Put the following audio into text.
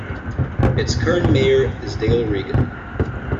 Its current mayor is Dale Reagan.